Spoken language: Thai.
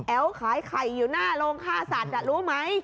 ขายไข่อยู่หน้าโรงฆ่าสัตว์รู้ไหม